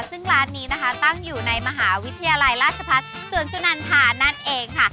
ซึ่งร้านนี้นะคะตั้งอยู่ในมหาวิทยาลัยราชพัฒน์สวนสุนันทานั่นเองค่ะ